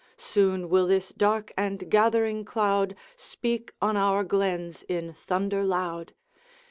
Soon will this dark and gathering cloud Speak on our glens in thunder loud.